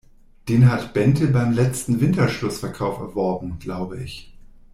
Den hat Bente beim letzten Winterschlussverkauf erworben, glaube ich.